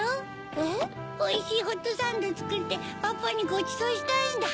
おいしいホットサンドをつくってパパにごちそうしたいんだ！